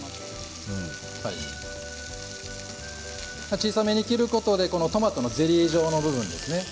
小さめに切ることでトマトのゼリー状の部分ですね